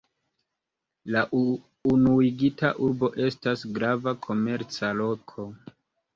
La unuigita urbo estas grava komerca loko.